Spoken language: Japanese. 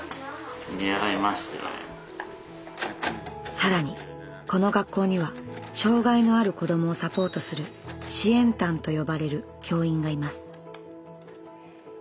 更にこの学校には障害のある子どもをサポートする「支援担」と呼ばれる教員がいます。